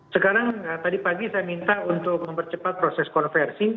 sekarang tadi pagi saya minta untuk mempercepat proses konversi